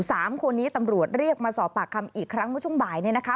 สามคนนี้ตำรวจเรียกมาสอบปากคำอีกครั้งเมื่อช่วงบ่ายเนี่ยนะคะ